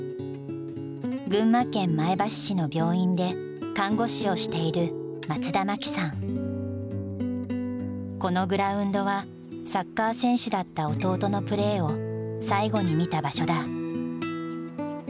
群馬県前橋市の病院で看護師をしているこのグラウンドはサッカー選手だった弟のプレーを最後に見た場所だ。